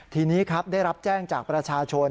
ทีนี้ครับได้รับแจ้งจากประชาชน